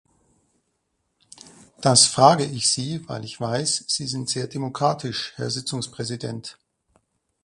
Das frage ich Sie, weil ich weiß, Sie sind sehr demokratisch, Herr Sitzungspräsident!